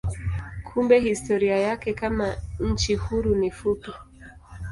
Kumbe historia yake kama nchi huru ni fupi.